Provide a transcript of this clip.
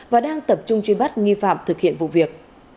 và đang tập trung truy bắt nghi phạm thực hiện vụ việc